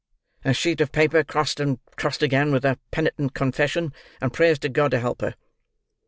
—A sheet of paper crossed and crossed again, with a penitent confession, and prayers to God to help her.